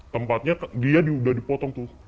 tempatnya dia udah dipotong tuh